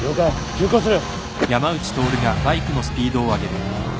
急行する。